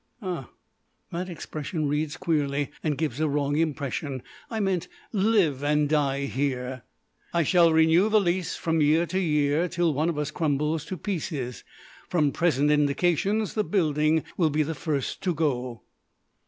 Ah, that expression reads queerly and gives a wrong impression: I meant live and die here. I shall renew the lease from year to year till one of us crumbles to pieces. From present indications the building will be the first to go.